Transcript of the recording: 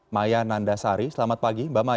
maya nandasari selamat pagi mbak maya